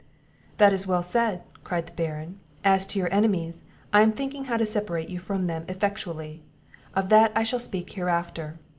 "That is well said," cried the Baron; "as to your enemies, I am thinking how to separate you from them effectually; of that I shall speak hereafter.